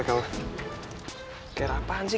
care apaan sih